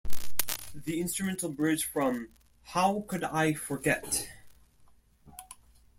The instrumental bridge from How Could I Forget?